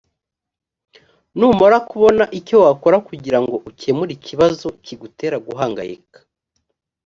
numara kubona icyo wakora kugira ngo ukemure ikibazo kigutera guhangayika